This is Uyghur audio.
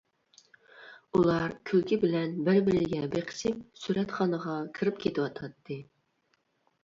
ئۇلار كۈلكە بىلەن بىر-بىرىگە بېقىشىپ سۈرەتخانىغا كىرىپ كېتىۋاتاتتى.